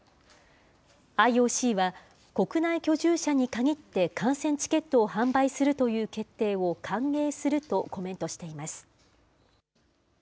ＩＯＣは、国内居住者に限って観戦チケットを販売するという決定を歓迎するとコメントしています。